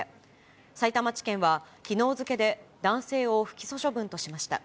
さいたま地検はきのう付けで、男性を不起訴処分としました。